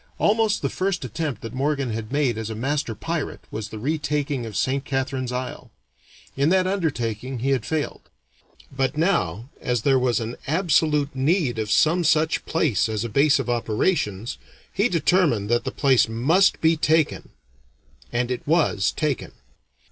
Almost the first attempt that Morgan had made as a master pirate was the retaking of Saint Catharine's Isle. In that undertaking he had failed; but now, as there was an absolute need of some such place as a base of operations, he determined that the place must be taken. And it was taken.